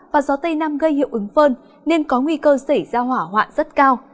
và gió tây nam gây hiệu ứng phơn nên có nguy cơ xảy ra hỏa hoạn rất cao